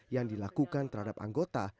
yang dilakukan terhadap anggota